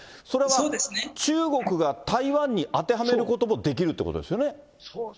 それは中国が台湾に当てはめることもできるということですよね。